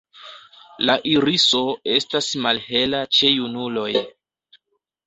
La iriso estas malhela ĉe junuloj.